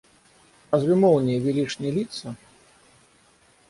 Разве молнии велишь не литься?